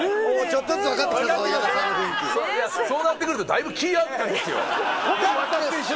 そうなってくるとだいぶ気合う２人ですよ。